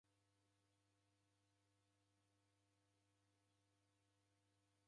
Isi ni w'andu w'e lasa iseghe